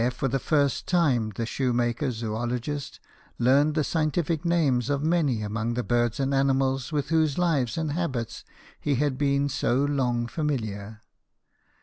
for the first time the shoemaker zoologist learned the scientific names of many among the birds and animals with whose lives and habits he had been so long familiar.